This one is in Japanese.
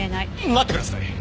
待ってください！